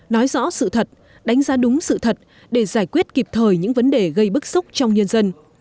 nói rõ sự thật đánh giá đúng sự thật để giải quyết kịp thời những vấn đề gây bức xúc trong nhân dân